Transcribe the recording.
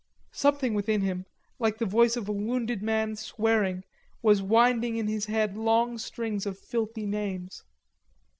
Something within him, like the voice of a wounded man swearing, was whining in his head long strings of filthy names.